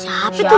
sampai kita pak